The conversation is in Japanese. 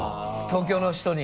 東京の人に？